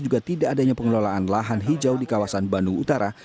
juga tidak adanya pengelolaan lahan hijau di kawasan bandung utara